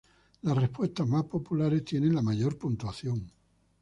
Las respuestas más populares tienen la mayor puntuación.